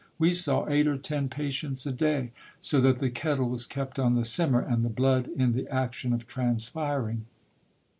We saw eight or ten patients a day ; so that the kettle was kept on the simmer, and the blood in the action of transpiring.